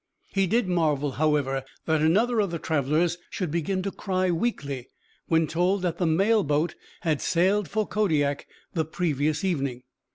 He did marvel, however, that another of the travellers should begin to cry weakly when told that the mail boat had sailed for Kodiak the previous evening.